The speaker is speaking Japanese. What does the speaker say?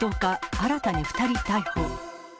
新たに２人逮捕。